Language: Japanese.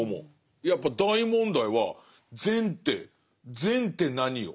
やっぱ大問題は善って善って何よ？